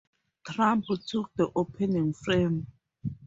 Trump took the opening frame.